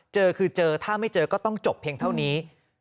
เจอคือเจอถ้าไม่เจอก็ต้องจบเพียงเท่านี้